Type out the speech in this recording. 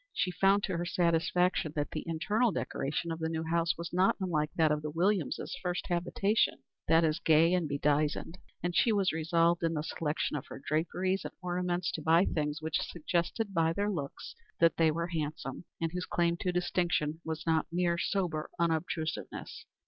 She found to her satisfaction that the internal decoration of the new house was not unlike that of the Williamses' first habitation that is, gay and bedizened; and she was resolved in the selection of her draperies and ornaments to buy things which suggested by their looks that they were handsome, and whose claim to distinction was not mere sober unobtrusiveness.